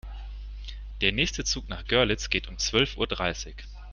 Der nächste Zug nach Görlitz geht um zwölf Uhr dreißig